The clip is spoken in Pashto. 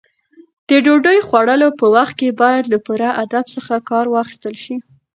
د ډوډۍ خوړلو په وخت کې باید له پوره ادب څخه کار واخیستل شي.